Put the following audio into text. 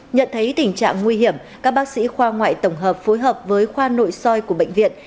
nhận thấy tình trạng nguy hiểm các bác sĩ khoa ngoại tổng hợp phối hợp với khoa nội soi của bệnh viện